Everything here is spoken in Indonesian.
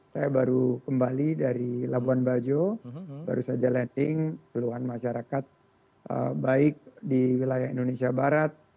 saya baru kembali dari labuan bajo baru saja letting keluhan masyarakat baik di wilayah indonesia barat